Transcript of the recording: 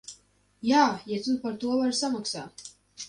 Jā, ja tu par to vari samaksāt.